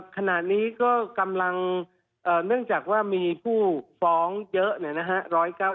ขณะนี้ก็กำลังเนื่องจากว่ามีผู้ฟ้องเยอะเนี่ยนะฮะ